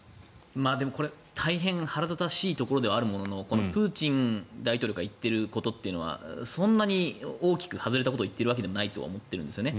でもこれ、大変腹立たしいところではあるもののプーチン大統領が言っていることというのはそんなに大きく外れたことを言っているわけではないと思っているんですよね。